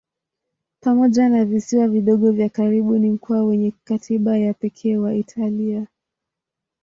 Pamoja na visiwa vidogo vya karibu ni mkoa wenye katiba ya pekee wa Italia.